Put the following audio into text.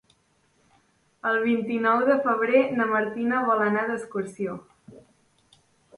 El vint-i-nou de febrer na Martina vol anar d'excursió.